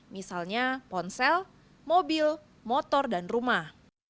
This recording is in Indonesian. misalnya ponsel mobil motor dan rumah